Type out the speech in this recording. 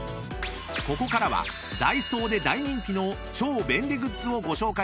［ここからはダイソーで大人気の超便利グッズをご紹介します］